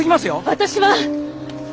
私は！